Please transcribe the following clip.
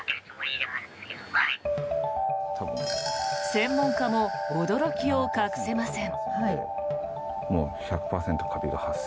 専門家も驚きを隠せません。